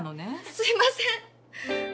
すみません！